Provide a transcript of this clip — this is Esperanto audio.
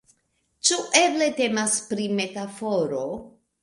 Ĉu eble temas pri metaforo?